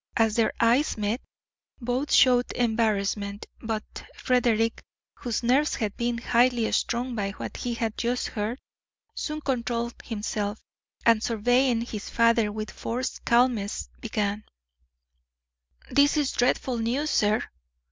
As their eyes met, both showed embarrassment, but Frederick, whose nerves had been highly strung by what he had just heard, soon controlled himself, and surveying his father with forced calmness, began: "This is dreadful news, sir."